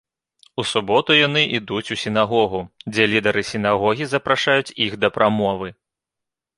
У суботу яны ідуць у сінагогу, дзе лідары сінагогі запрашаюць іх да прамовы.